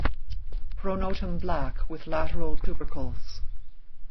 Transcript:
Pronotum black with lateral tubercles.